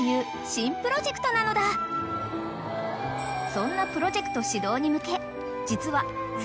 ［そんなプロジェクト始動に向け実は］